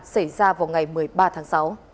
xảy ra vào ngày một mươi ba tháng sáu